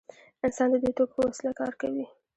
انسان د دې توکو په وسیله کار کوي.